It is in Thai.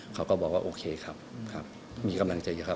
เขาก็บอกว่าโอเคครับครับมีกำลังใจเยอะครับ